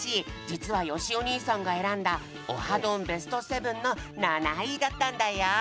じつはよしお兄さんが選んだ「オハどん！」ベスト７の７位だったんだよ。